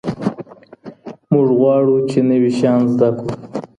موږ غواړو چي نوي شيان زده کړو.